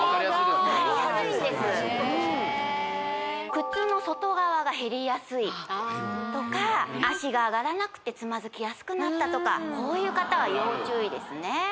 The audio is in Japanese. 靴の外側が減りやすいとか脚があがらなくてつまずきやすくなったとかこういう方は要注意ですね